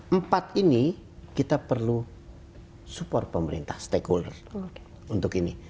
empat ini kita perlu support pemerintah stakeholder untuk ini